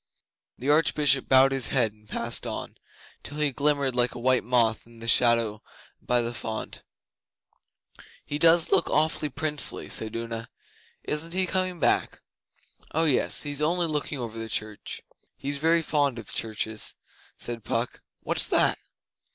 The Archbishop bowed his head and passed on, till he glimmered like a white moth in the shadow by the font. 'He does look awfully princely,' said Una. 'Isn't he coming back?' 'Oh yes. He's only looking over the church. He's very fond of churches,' said Puck. 'What's that?